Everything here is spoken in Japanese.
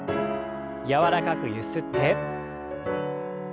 柔らかくゆすって。